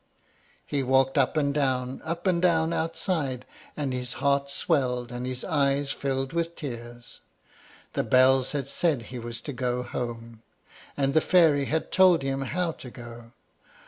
He walked up and down, up and down, outside, and his heart swelled and his eyes filled with tears. The bells had said he was to go home, and the fairy had told him how to go.